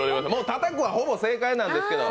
たたくは、ほぼ正解なんですけど。